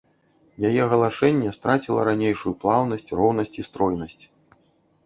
Яе галашэнне страціла ранейшую плаўнасць, роўнасць і стройнасць.